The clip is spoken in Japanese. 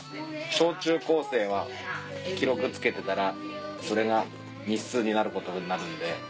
小・中・高生は記録付けてたらそれが日数になることになるんで。